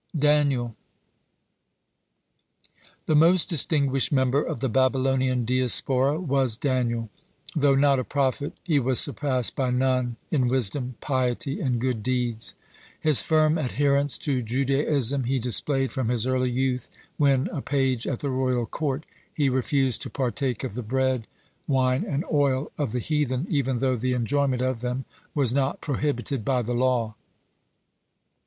(75) DANIEL The most distinguished member of the Babylonian Diaspora was Daniel. Though not a prophet, (76) he was surpassed by none in wisdom, piety, and good deeds. His firm adherence to Judaism he displayed from his early youth, when, a page at the royal court, he refused to partake of the bread, wine, and oil of the heathen, even though the enjoyment of them was not prohibited by the law.